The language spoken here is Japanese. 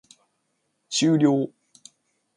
終了